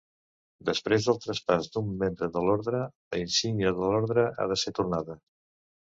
Després del traspàs d'un membre de l'orde, la insígnia de l'orde ha de ser tornada.